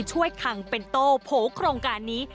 ช่วยคังเป็นโตโผลกโครงการนี้